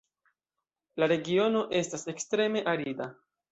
La regiono estas ekstreme arida.